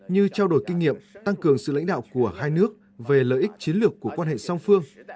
như trao đổi kinh nghiệm tăng cường sự lãnh đạo của hai nước về lợi ích chiến lược của quan hệ song phương